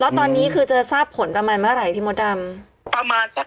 แล้วตอนนี้คือจะทราบผลประมาณเมื่อไหร่พี่มดดำ